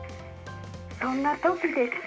そんな時です。